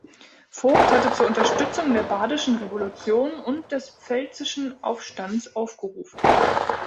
Vogt hatte zur Unterstützung der Badischen Revolution und des Pfälzischen Aufstands aufgerufen.